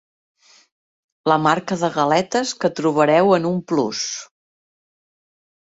La marca de galetes que trobareu en un plus.